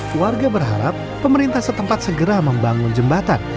keluarga berharap pemerintah setempat segera membangun jembatan